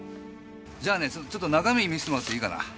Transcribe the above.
〔じゃあ中身ちょっと見せてもらっていいかな？〕